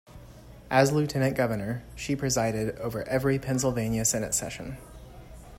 As lieutenant governor, she presided over every Pennsylvania Senate session.